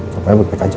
pokoknya berpikir aja